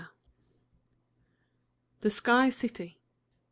XX. THE SKY CITY.